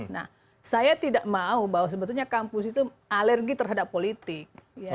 nah saya tidak mau bahwa sebetulnya kampus itu alergi terhadap politik